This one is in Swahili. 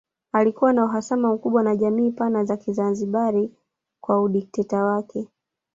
Alikuwa na uhasama mkubwa na jamii pana ya Kizanzibari kwa udikteta wake